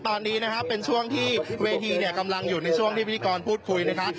ตอนนี้นะครับเป็นช่วงที่เวทีเนี่ยกำลังอยู่ในช่วงที่พิธีกรพูดคุยนะครับ